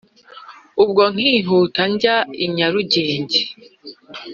ubwo nkihuta njye i nyarugenge.